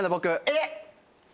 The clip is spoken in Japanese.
えっ！